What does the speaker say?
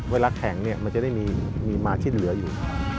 เวลาแข่งมันจะได้มีมาชิดเหลืออยู่